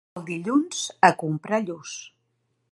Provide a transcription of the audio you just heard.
El dilluns, a comprar lluç.